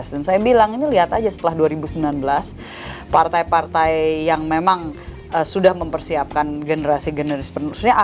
dan saya bilang ini lihat aja setelah dua ribu sembilan belas partai partai yang memang sudah mempersiapkan generasi generasi penerusnya